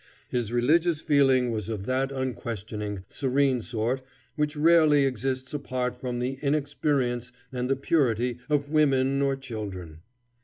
His religious feeling was of that unquestioning, serene sort which rarely exists apart from the inexperience and the purity of women or children.